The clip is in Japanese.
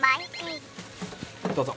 どうぞ。